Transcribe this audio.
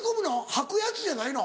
掃くやつじゃないの？